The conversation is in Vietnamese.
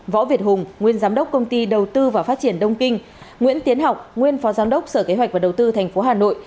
võ việt hùng nguyên giám đốc công ty đầu tư và phát triển đông kinh nguyễn tiến học nguyên phó giám đốc sở kế hoạch và đầu tư tp hà nội